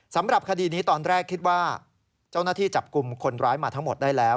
สำหรับคดีนี้ตอนแรกคิดว่าเจ้าหน้าที่จับกลุ่มคนร้ายมาทั้งหมดได้แล้ว